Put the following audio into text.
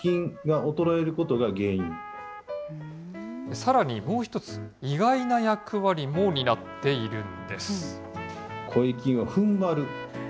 さらに、もう一つ、意外な役割も担っているんです。